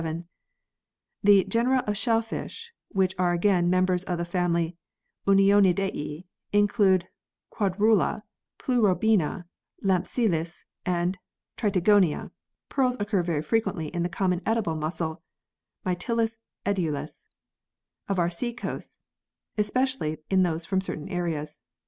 The genera of shellfish (which are again members of the family Unionidae) include Quadrula, Pleurobena, Lampsilis and Tritigonia. Pearls occur very frequently in the common edible mussel (Mytilus edulis) of our sea coasts, and especially in those from certain areas.